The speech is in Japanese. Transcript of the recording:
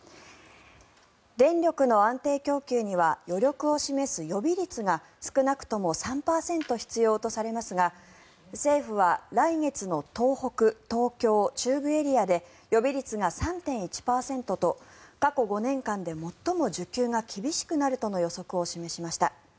電力の安定供給には余力を示す予備率が少なくとも３％必要とされますが政府は来月の東北、東京、中部エリアで予備率が３．１％と過去５年間で最も需給が厳しくなるとの予測を示しました。